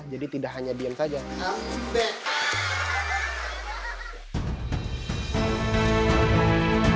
jadi tidak hanya diakui